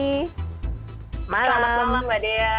selamat malam mbak dea mbak winnie